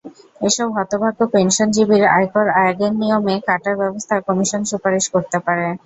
এসব হতভাগ্য পেনশনজীবীর আয়কর আগের নিয়মে কাটার ব্যবস্থা কমিশন সুপারিশ করতে পারে।